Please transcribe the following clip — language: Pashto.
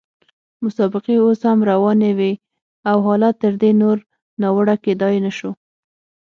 مسابقې اوس هم روانې وې او حالت تر دې نور ناوړه کېدای نه شو.